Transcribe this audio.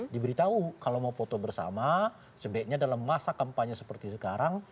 diberitahu kalau mau foto bersama sebaiknya dalam masa kampanye seperti sekarang